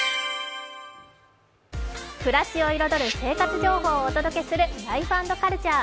暮らしを彩る生活情報をお届けする「ライフ＆カルチャー」。